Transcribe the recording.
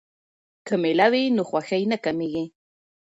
که میله وي نو خوښي نه کمېږي.